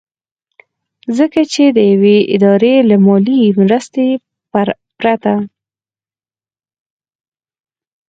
ځکه چې د يوې ادارې له مالي مرستې پرته